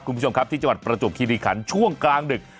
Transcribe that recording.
คุณผู้ชมครับที่จังหวัดประจวบคิริขันช่วงกลางดึก